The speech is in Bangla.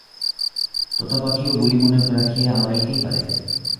তোতাপাখিও বুলি মনে রাখিয়া আওড়াতেই পারে।